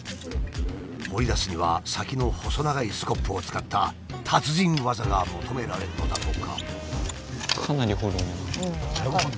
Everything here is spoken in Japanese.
掘り出すには先の細長いスコップを使った達人技が求められるのだとか。